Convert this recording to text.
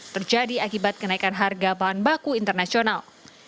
terjadi akibat kenaikan harga bahan baku internasional